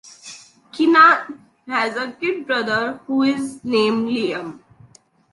Keenan has a kid brother who is named Liam.